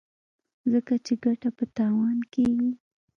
ځکه چې ګټه په تاوان کېږي.